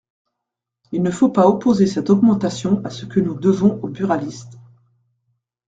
Il ne faut pas opposer cette augmentation et ce que nous devons aux buralistes.